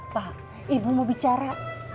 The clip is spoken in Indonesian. pak ibu mau bicara